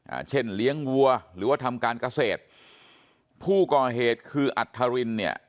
อ่าเช่นเลี้ยงวัวหรือว่าทำการเกษตรผู้ก่อเหตุคืออัธรินเนี่ย